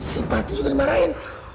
si fatih juga dimarahin